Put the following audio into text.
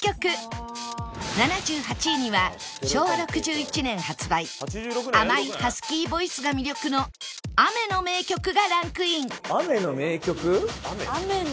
７８位には昭和６１年発売甘いハスキーボイスが魅力の雨の名曲がランクイン